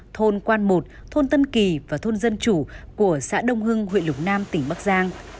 thôn quan một thôn tân kỳ và thôn dân chủ của xã đông hưng huyện lục nam tỉnh bắc giang